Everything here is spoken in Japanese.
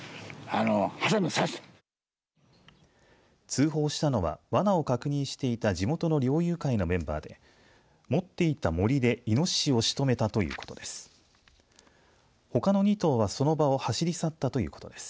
通報したのはわなを確認していた地元の猟友会のメンバーで持っていたもりでいのししをしとめたということです。